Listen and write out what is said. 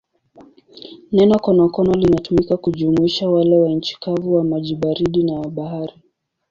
Neno konokono linatumika kujumuisha wale wa nchi kavu, wa maji baridi na wa bahari.